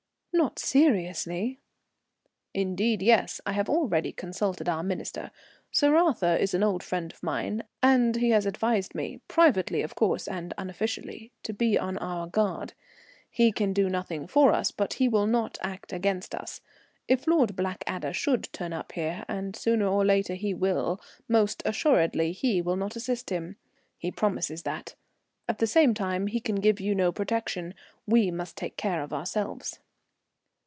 "Not seriously?" "Indeed, yes; I have already consulted our Minister. Sir Arthur is an old friend of mine, and he has advised me, privately, of course, and unofficially, to be on our guard. He can do nothing for us, but he will not act against us. If Lord Blackadder should turn up here, and sooner or later he will, most assuredly he will not assist him. He promises that. At the same time he can give you no protection. We must take care of ourselves."